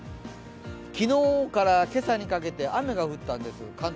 機能から今朝にかけて関東地方で雨が降ったんです。